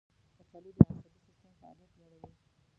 کچالو د عصبي سیستم فعالیت لوړوي.